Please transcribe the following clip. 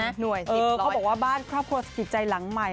เขาบอกว่าบ้านครอบครัวสถิตใจหลังใหม่